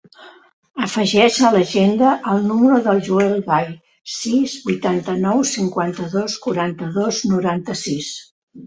Afegeix a l'agenda el número del Joel Gay: sis, vuitanta-nou, cinquanta-dos, quaranta-dos, noranta-sis.